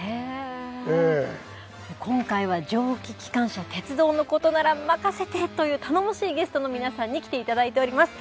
今回は蒸気機関車鉄道のことなら任せてという頼もしいゲストの皆さんに来ていただいております。